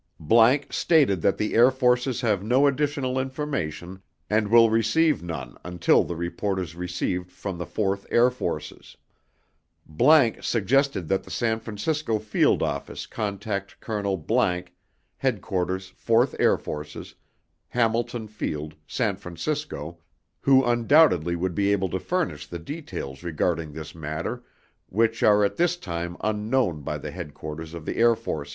____ stated that the Air Forces have no additional information and will receive none until the report is received from the 4th Air Forces. ____ suggested that the San Francisco Field Office contact Colonel ____ Headquarters 4th Air Forces, Hamilton Field, San Francisco, who undoubtedly would be able to furnish the details regarding this matter which are at this time unknown by the Headquarters of the Air Forces.